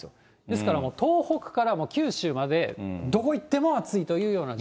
ですからもう、東北から九州まで、どこ行っても暑いというような。